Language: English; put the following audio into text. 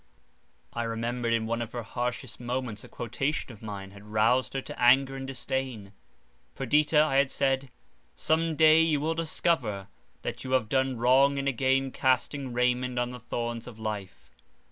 I remembered in one of her harshest moments a quotation of mine had roused her to anger and disdain. "Perdita," I had said, "some day you will discover that you have done wrong in again casting Raymond on the thorns of life.